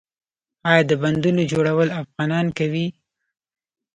آیا د بندونو جوړول افغانان کوي؟